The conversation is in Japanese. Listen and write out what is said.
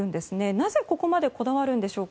なぜここまでこだわるんでしょうか。